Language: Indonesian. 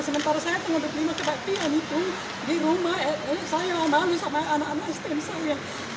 sementara saya tanggal dua puluh lima kebaktian itu di rumah saya yang bangun sama anak anak stem saya